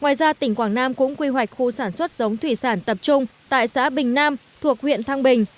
ngoài ra tỉnh quảng nam cũng quy hoạch khu sản xuất giống thủy sản tập trung tại xã bình nam thuộc huyện thăng bình